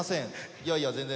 いやいや全然。